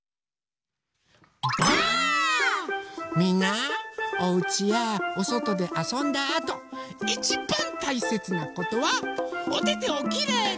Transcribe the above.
みんなおうちやおそとであそんだあといちばんたいせつなことはおててをきれいに。